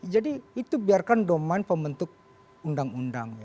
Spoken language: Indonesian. jadi itu biarkan domen pembentuk undang undang